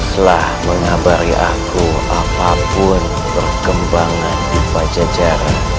setelah mengabari aku apapun perkembangan di bajajara